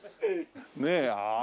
ねえああ